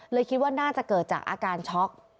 คิดว่าน่าจะเกิดจากอาการช็อก